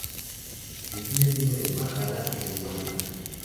Argentina tiene una embajada en Luanda.